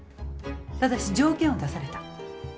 ただし条件を出された。